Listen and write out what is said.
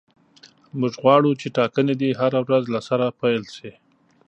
موږ غواړو چې ټاکنې دې هره ورځ له سره پیل شي.